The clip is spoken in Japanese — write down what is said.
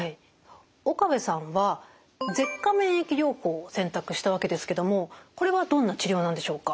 岡部さんは舌下免疫療法を選択したわけですけどもこれはどんな治療なんでしょうか？